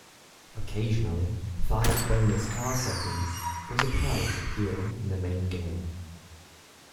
Occasionally, "Five Bonus Car Seconds" was a prize appearing in the main game.